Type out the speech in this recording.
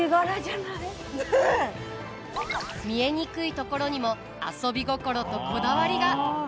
見えにくいところにも遊び心とこだわりが。